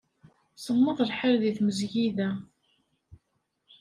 Semmeḍ lḥal deg tmezgida.